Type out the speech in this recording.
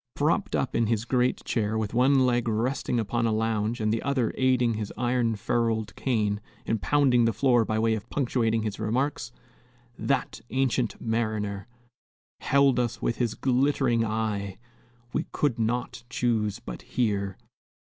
Propped up in his great chair, with one leg resting upon a lounge and the other aiding his iron ferruled cane in pounding the floor by way of punctuating his remarks, "that ancient mariner" "Held us with his glittering eye; We could not choose but hear."